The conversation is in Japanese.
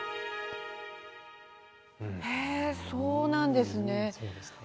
そうなんですね。